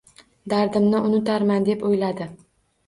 Dardimni unutarman deb o'yladi.